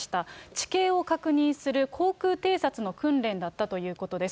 地形を確認する航空偵察の訓練だったということです。